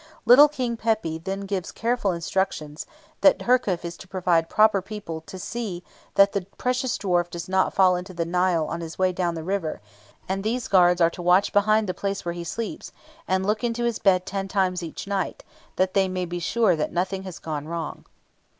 Little King Pepy then gives careful directions that Herkhuf is to provide proper people to see that the precious dwarf does not fall into the Nile on his way down the river; and these guards are to watch behind the place where he sleeps, and look into his bed ten times each night, that they may be sure that nothing has gone wrong.